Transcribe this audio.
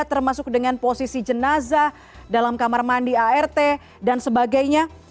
termasuk dengan posisi jenazah dalam kamar mandi art dan sebagainya